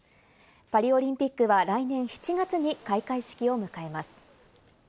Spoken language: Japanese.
パリオリンピックは来年７月に開会式を迎えます。